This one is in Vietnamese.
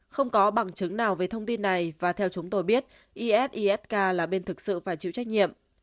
không có bằng chứng nào về thông tin này và theo chúng tôi biết esifk là bên thực sự phải chịu trách nhiệm